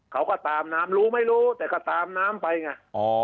เขาก็ตามน้ำรู้ไม่รู้แต่ก็ตามน้ำไปไง